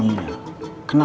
terei bagian udara